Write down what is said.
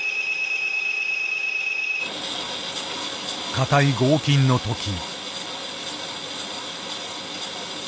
硬い合金のとき。